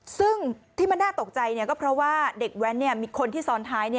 ซึ่งที่มันน่าตกใจก็เพราะว่าเด็กแว้นมีคนที่ซ้อนท้าย